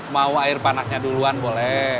mau air panasnya duluan boleh